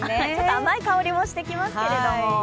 甘い香りもしていますけれども。